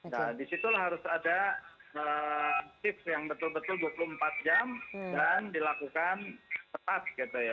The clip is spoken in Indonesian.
nah di situ harus ada tips yang betul betul dua puluh empat jam dan dilakukan tepat